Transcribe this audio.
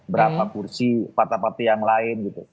berapa kursi partai partai yang lain gitu